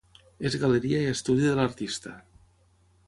És galeria i estudi de l’artista.